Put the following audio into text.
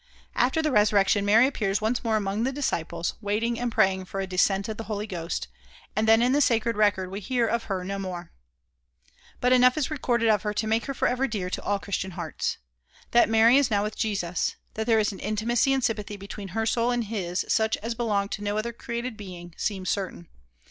After the resurrection Mary appears once more among the disciples, waiting and praying for a descent of the Holy Ghost and then in the sacred record we hear of her no more. But enough is recorded of her to make her forever dear to all Christian hearts. That Mary is now with Jesus, that there is an intimacy and sympathy between her soul and his such as belong to no other created being, seems certain.